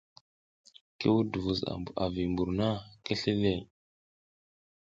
Ki wuɗ duvus a vi mbur na, ki sli ləh.